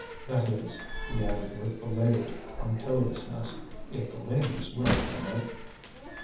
That is," he added with belated punctiliousness, "if the ladies will permit?"